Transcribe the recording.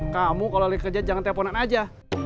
kamu kalau lagi kerja jangan telponan aja